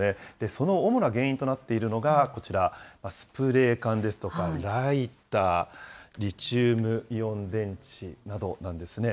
その主な原因となっているのがこちら、スプレー缶ですとか、ライター、リチウムイオン電池などなんですね。